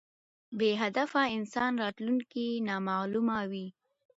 بی هدف انسان راتلونکي نامعلومه وي